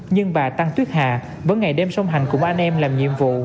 nhưng bà tăng tuyết hà vẫn ngày đêm song hành cùng anh em làm nhiệm vụ